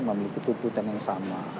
memiliki tuntutan yang sama